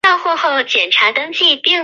接下来近几年